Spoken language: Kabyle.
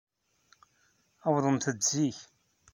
Awḍemt-d zik.